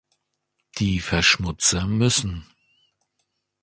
Die Verschmutzer müssen.